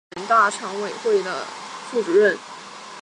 担任宁波市人大常委会副主任。